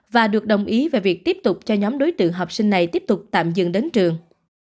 và được đồng ý về việc tiếp tục cho nhóm đối tượng học sinh này tiếp tục tạm dừng đến trường